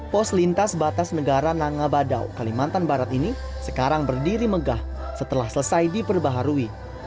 pos lintas batas negara nangabadao kalimantan barat ini sekarang berdiri megah setelah selesai diperbaharui